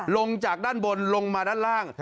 ลงจากด้านบนลงมาด้านล่าง